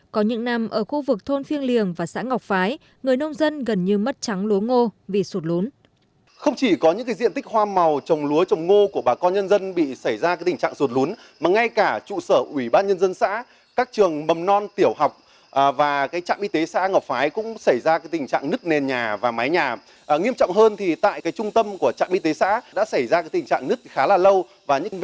có những năm ở khu vực thôn phiêng liềng và xã ngọc phái người nông dân gần như mất trắng lúa ngô vì sụt lốn